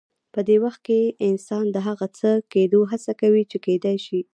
په دې وخت کې انسان د هغه څه کېدو هڅه کوي چې کېدای شي.